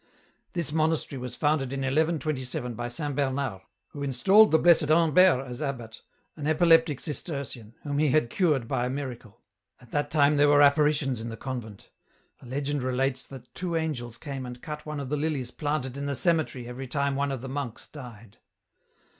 "This monastery was founded in 1127 by St. Bernard, who installed the Blessed Humbert as abbot, an epileptic Cistercian, whom he had cured by a miracle. At that time there were apparitions in the convent ; a legend relates that two angels came and cut one of the lilies planted in the cemetery every time one of the monks died.